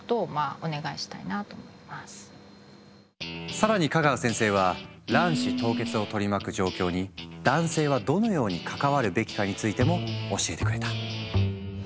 更に香川先生は卵子凍結を取り巻く状況に男性はどのように関わるべきかについても教えてくれた。